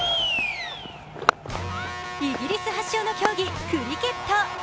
イギリス発祥の競技・クリケット